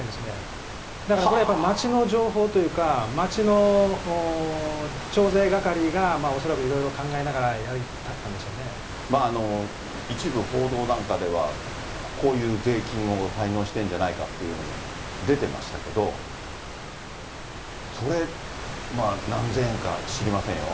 だからこれ、やっぱり、町の情報というか、町の徴税係が、恐らくいろいろ考えながら、やったんで一部報道なんかでは、こういう税金を滞納してんじゃないかというのも出てましたけど、それ、何千円か知りませんよ。